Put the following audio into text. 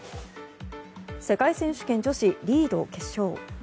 世界選手権女子リード決勝。